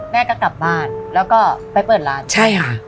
แม่ก็กลับบ้านแล้วก็ไปเปิดร้านใช่ค่ะ